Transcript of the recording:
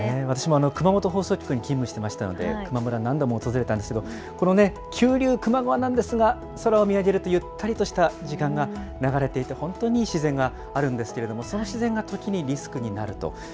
私も熊本放送局に勤務してましたので、球磨村、何度も訪れたんですけど、この急流球磨村なんですけれども、空を見上げるとゆったりとした時間が流れていて、本当にいい自然があるんですけれども、その自然が時にリスクになると。